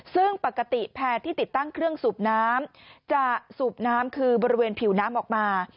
ซึ่งปกติแพร่ที่ติดตั้งเครื่องสูบน้ำจะสูบน้ำคือบริเวณผิวน้ำออกมา